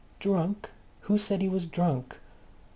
"Drunk! Who said he was drunk?"